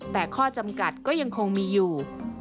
แต่ข้อจำกัดก็ยังคงมีอยู่